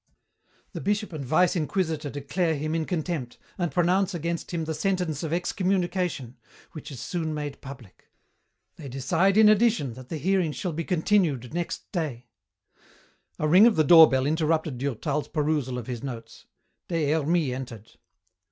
"The Bishop and Vice Inquisitor declare him in contempt and pronounce against him the sentence of excommunication, which is soon made public. They decide in addition that the hearing shall be continued next day " A ring of the doorbell interrupted Durtal's perusal of his notes. Des Hermies entered.